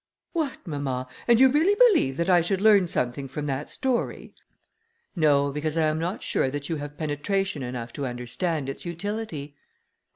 "What, mamma! and you really believe that I should learn something from that story?" "No, because I am not sure that you have penetration enough to understand its utility.